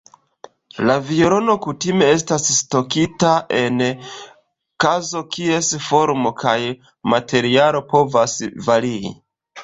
La violono kutime estas stokita en kazo kies formo kaj materialo povas varii.